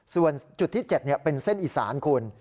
ส่วนจุดที่๗เป็นเส้นอีสานคุณ